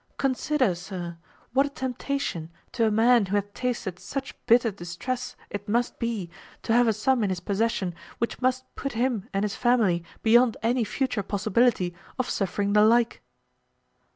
Consider, sir, what a temptation to a man who hath tasted such bitter distress, it must be, to have a sum in his possession which must put him and his family beyond any future possibility of suffering the like."